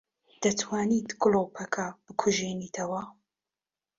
دەتوانیت گڵۆپەکە بکوژێنیتەوە؟